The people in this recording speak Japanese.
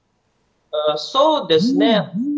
そうですね。